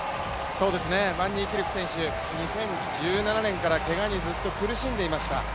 バンニーキルク選手、２０１７年からずっとけがに苦しんでいました。